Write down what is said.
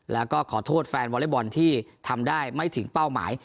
แล้วก็ขอโทษแฟนวอเล็กบอลที่ทำได้ไม่ถึงเป้าหมาย